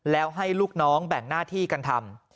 แล้วให้ลูกน้องแบ่งหน้าที่กันทำ